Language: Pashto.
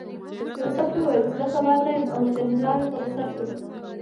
یوسف وویل چې زه خبر نه یم او جنرال په غوسه شو.